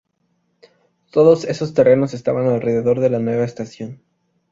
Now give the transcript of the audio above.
Todos esos terrenos estaban alrededor de la nueva estación.